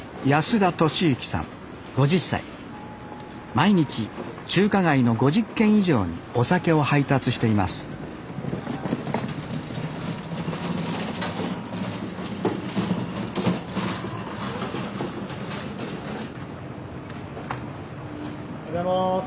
毎日中華街の５０件以上にお酒を配達していますおはようございます。